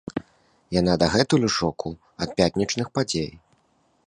Яна дагэтуль ў шоку ад пятнічных падзей.